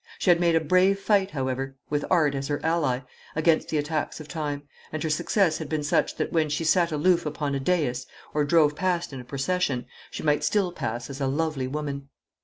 She had made a brave fight, however with art as her ally against the attacks of time, and her success had been such that when she sat aloof upon a dais or drove past in a procession, she might still pass as a lovely woman.